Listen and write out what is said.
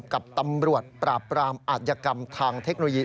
กับตำรวจปราบปรามอาธิกรรมทางเทคโนโลยี